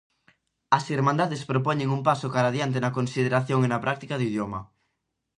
As Irmandades propoñen un paso cara adiante na consideración e na práctica do idioma.